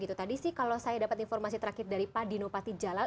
tadi sih kalau saya dapat informasi terakhir dari pak dino patijala